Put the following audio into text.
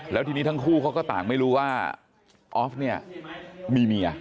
แล้วทีนี้ทั้งคู่เขาก็ต่างไม่รู้ว่าออฟเนี่ยมีเมีย